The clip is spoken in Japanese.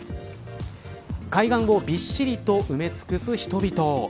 海岸をびっしりと埋め尽くす人々。